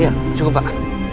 iya cukup pak